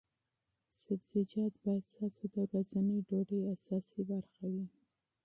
سبزیجات باید ستاسو د ورځنۍ ډوډۍ اساسي برخه وي.